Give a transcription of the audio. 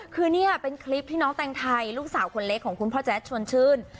คือนี่เป็นคลิปที่น้องแตงไทยลูกสาวคนเล็กของคุณพ่อแจ๊ดชวนชื่น